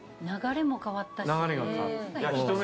流れも変わったし。